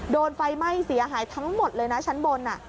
โดนไฟไหม้เสียหายทั้งหมดเลยนะชั้นบน